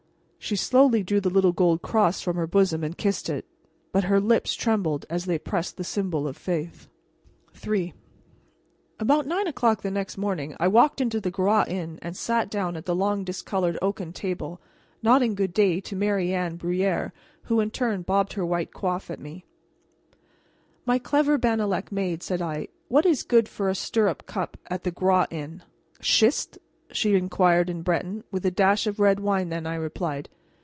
She slowly drew the little gold cross from her bosom and kissed it. But her lips trembled as they pressed the symbol of faith. III About nine o'clock the next morning I walked into the Groix Inn and sat down at the long discolored oaken table, nodding good day to Marianne Bruyere, who in turn bobbed her white coiffe at me. "My clever Bannalec maid," said I, "what is good for a stirrup cup at the Groix Inn?" "Schist?" she inquired in Breton. "With a dash of red wine, then," I replied.